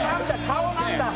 顔なんだ？